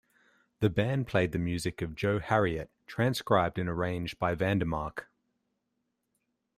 The band played the music of Joe Harriott, transcribed and arranged by Vandermark.